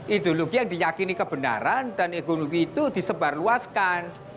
ideologi yang diyakini kebenaran dan ideologi itu disebarluaskan